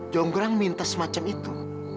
jongrang minta semacam itu